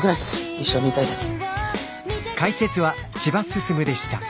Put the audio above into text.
一緒にいたいです。